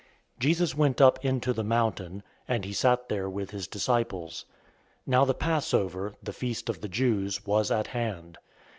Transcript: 006:003 Jesus went up into the mountain, and he sat there with his disciples. 006:004 Now the Passover, the feast of the Jews, was at hand.